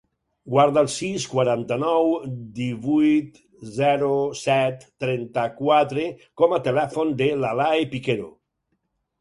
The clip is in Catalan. Guarda el sis, quaranta-nou, divuit, zero, set, trenta-quatre com a telèfon de l'Alae Piquero.